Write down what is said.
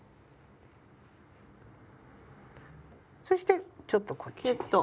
そしてちょっとこっちに。